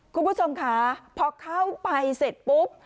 คุณผู้ชมค่ะพอเข้าไปเสร็จปุ๊บ